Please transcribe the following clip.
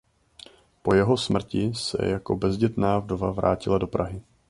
Po jeho smrti se jako bezdětná vdova vrátila do Prahy.